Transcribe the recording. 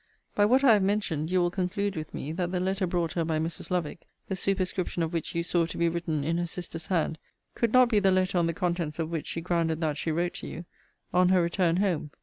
By what I have mentioned, you will conclude with me, that the letter brought her by Mrs. Lovick (the superscription of which you saw to be written in her sister's hand) could not be the letter on the contents of which she grounded that she wrote to you, on her return home.